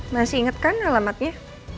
masih inget kan alamatnya